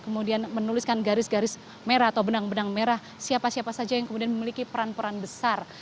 kemudian menuliskan garis garis merah atau benang benang merah siapa siapa saja yang kemudian memiliki peran peran besar